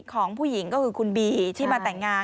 ของผู้หญิงก็คือคุณบีที่มาแต่งงาน